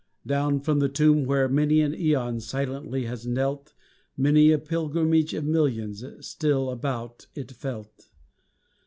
Down from the tomb where many an æon Silently has knelt; Many a pilgrimage of millions Still about it felt.